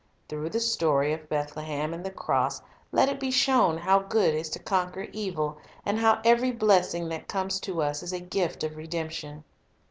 Through the story of Bethlehem and the cross let it be shown how good is to conquer evil, and how every blessing that comes to us is a gift of redemption.